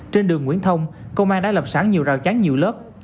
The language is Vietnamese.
trên đường nguyễn thông công an đã lập sẵn nhiều rào chán nhiều lớp